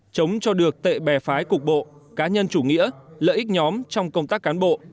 chống cho được tệ bè phái cục bộ cá nhân chủ nghĩa lợi ích nhóm trong công tác cán bộ